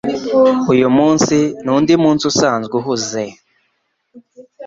Uyu munsi ni undi munsi usanzwe uhuze